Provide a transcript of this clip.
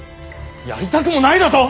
やりたくもないだと。